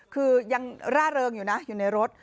คือยังร่าเริงอยู่นะอยู่ในรถ